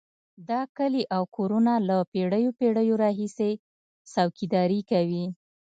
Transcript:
دا کلي او کورونه له پېړیو پېړیو راهیسې څوکیداري کوي.